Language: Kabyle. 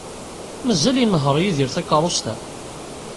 Mazal inehheṛ Yidir takeṛṛust-a?